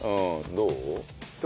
どう？